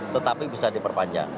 tetapi bisa diperpanjang